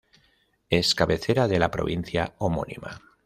Es cabecera de la provincia homónima.